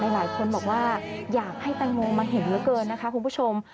หลายคนบอกว่าอยากให้แตงโมมาเห็นเหลือเกินนะคะคุณผู้ชม